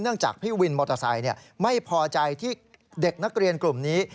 จากพี่วินมอเตอร์ไซค์ไม่พอใจที่เด็กนักเรียนกลุ่มนี้